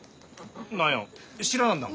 何や知らなんだか。